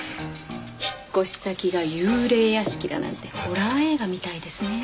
引っ越し先が幽霊屋敷だなんてホラー映画みたいですね。